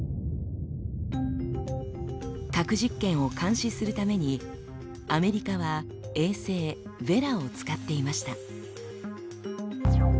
核実験を監視するためにアメリカは衛星「ヴェラ」を使っていました。